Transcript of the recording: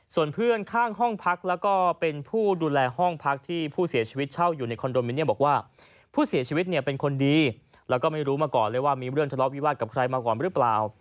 ส่วนเพื่อนข้างห้องพักแล้วก็เป็นผู้ดูแลห้องพักที่ผู้เสียชีวิตเช่าอยู่ในคอนโดมิเนียมบอกว่าผู้เสียชีวิตเนี่ยเป็นคนดีแล้วก็ไม่รู้มาก่อนเลยว่ามีเรื่องทะเลาะวิวาสกับใครมาก่อนหรือเปล่า